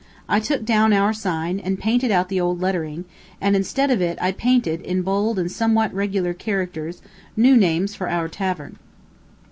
I took down our sign, and painted out the old lettering, and, instead of it, I painted, in bold and somewhat regular characters, new names for our tavern.